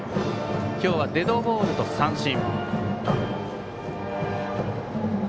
今日はデッドボールと三振。